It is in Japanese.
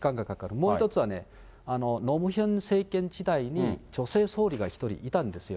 もう１つはノ・ムヒョン政権時代に女性総理が１人いたんですよ。